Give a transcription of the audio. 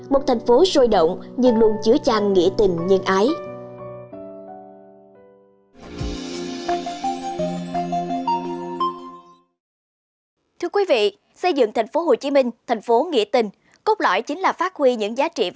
một thành phố sôi động nhưng luôn chứa trang nghĩa tình nhân ái